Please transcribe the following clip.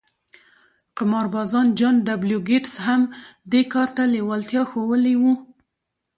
قمارباز جان ډبلیو ګیټس هم دې کار ته لېوالتیا ښوولې وه